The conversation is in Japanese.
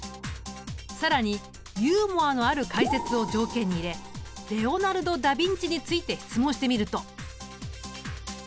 更にユーモアのある解説を条件に入れレオナルド・ダ・ヴィンチについて質問してみると。